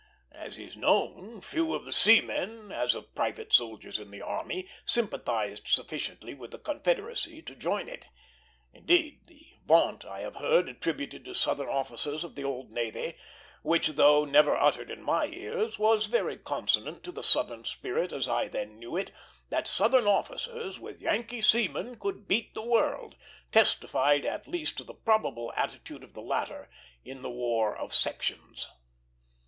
As is known, few of the seamen, as of private soldiers in the army, sympathized sufficiently with the Confederacy to join it. Indeed, the vaunt I have heard attributed to Southern officers of the old navy, which, though never uttered in my ears, was very consonant to the Southern spirit as I then knew it, that Southern officers with Yankee seamen could beat the world, testified at least to the probable attitude of the latter in a war of sections.